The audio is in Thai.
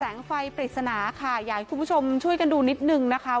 ไฟปริศนาค่ะอยากให้คุณผู้ชมช่วยกันดูนิดนึงนะคะ